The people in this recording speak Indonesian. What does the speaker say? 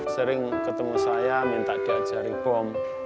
sering ketemu saya minta diajari bom